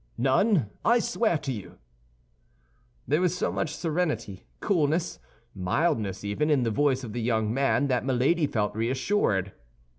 "None, I swear to you." There was so much serenity, coolness, mildness even, in the voice of the young man, that Milady felt reassured.